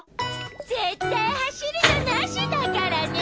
ぜったいはしるのなしだからね！